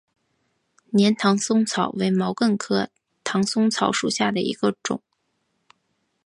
粘唐松草为毛茛科唐松草属下的一个种。